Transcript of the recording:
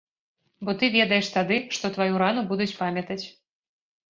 Бо ты ведаеш тады, што тваю рану будуць памятаць.